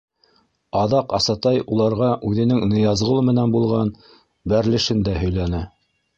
— Аҙаҡ Асатай уларға үҙенең Ныязғол менән булған бәрелешен дә һөйләне.